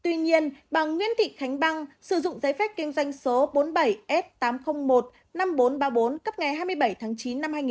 tuy nhiên bà nguyễn thị khánh băng sử dụng giấy phép kinh doanh số bốn mươi bảy s tám trăm linh một năm nghìn bốn trăm ba mươi bốn cấp ngày hai mươi bảy tháng chín